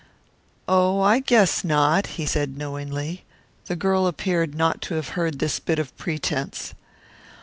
"Oh, I guess not," he said knowingly. The girl appeared not to have heard this bit of pretense.